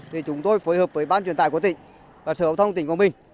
thì chúng tôi phối hợp với ban truyền tải của tỉnh và sở hữu thông tỉnh quảng bình